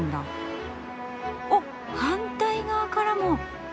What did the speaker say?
おっ反対側からも。